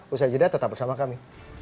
usaha jeda tetap bersama kami